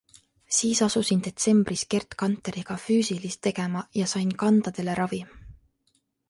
Siis asusin detsembris Gerd Kanteriga füüsilist tegema ja sain kandadele ravi.